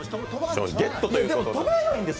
ゲットということで。